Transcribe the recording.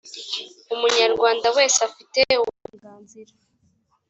umunyarwanda wese afite uburenganzira.